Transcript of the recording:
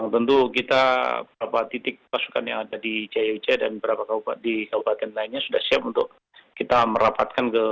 tentu kita beberapa titik pasukan yang ada di jaya uja dan beberapa kabupaten lainnya sudah siap untuk kita merapatkan ke